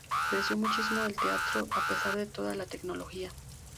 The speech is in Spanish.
Creció muchísimo el teatro a pesar de toda la tecnología.